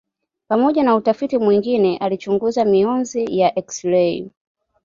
Pamoja na utafiti mwingine alichunguza mionzi ya eksirei.